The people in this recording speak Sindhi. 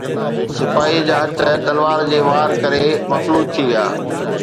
سپاهيءَ جا هٿ تلوار جي وار ڪري مفلوج ٿي ويا